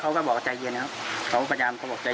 แล้วสักครั้งนึงเขาก็ถามผมว่า